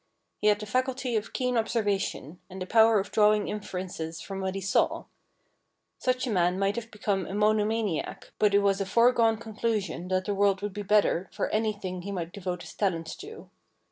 He had the faculty of keen observation, and the power of drawing inferences from what he saw. Such a man might become a mono maniac, but it was a foregone conclusion that the world would be the better for anything he might devote his talents to.